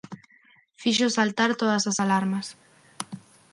Fixo saltar todas as alarmas